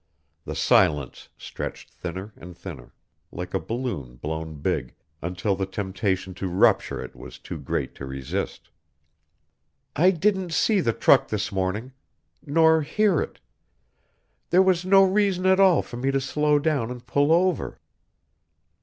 The silence stretched thinner and thinner, like a balloon blown big, until the temptation to rupture it was too great to resist. "I didn't see the truck this morning. Nor hear it. There was no reason at all for me to slow down and pull over."